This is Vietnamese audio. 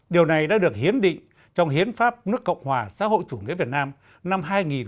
điều này đã được hiến định trong hiến pháp nước cộng hòa xã hội chủ nghĩa việt nam năm hai nghìn một mươi ba